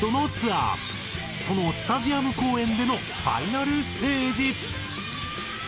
そのスタジアム公演でのファイナルステージ。